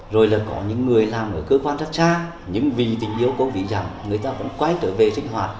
rồi là có những người làm ở cơ quan rất xa những vì tình yêu cơ vì rằng người ta vẫn quay trở về sinh hoạt